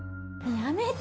やめて！